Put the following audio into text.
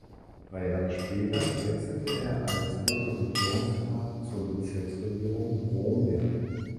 Drei Jahre später wechselte er als Oberregierungsrat zur Bezirksregierung Bromberg.